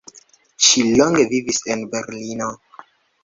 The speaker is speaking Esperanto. Ŝi longe vivis en Berlino.